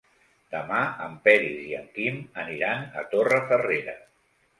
Demà en Peris i en Quim aniran a Torrefarrera.